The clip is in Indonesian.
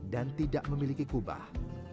dan tidak memiliki kubah